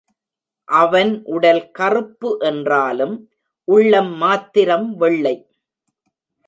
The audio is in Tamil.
அவன் உடல் கறுப்பு என்றாலும், உள்ளம் மாத்திரம் வெள்ளை.